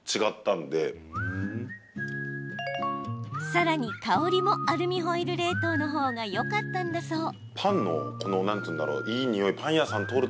さらに、香りもアルミホイル冷凍のほうがよかったそう。